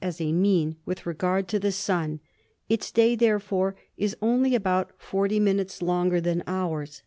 (as a mean) with regard to the Sun. Its day therefore is only about forty minutes longer than ours.